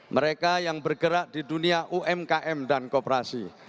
mereka yang bergerak di dunia umkm dan kooperasi